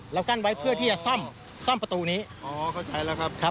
กั้นไว้เพื่อที่จะซ่อมซ่อมประตูนี้อ๋อเข้าใจแล้วครับครับ